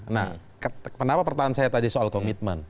nah kenapa pertanyaan saya tadi soal komitmen